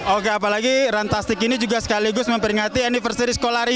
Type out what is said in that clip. oke apalagi runtastic ini juga sekaligus memperingati aniversari sekolaris